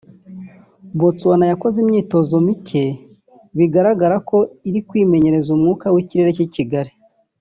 Botswana yakoze imyitozo micye bigaragara ko iri kwimenyereza umwuka w’ikirere cy’i Kigali